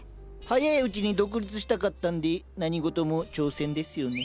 早いうちに独立したかったんで何事も挑戦ですよね。